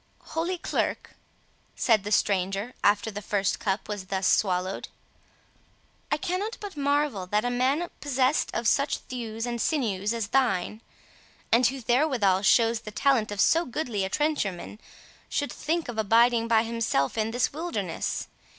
"Holy Clerk," said the stranger, after the first cup was thus swallowed, "I cannot but marvel that a man possessed of such thews and sinews as thine, and who therewithal shows the talent of so goodly a trencher man, should think of abiding by himself in this wilderness.